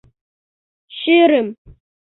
Шӱрым.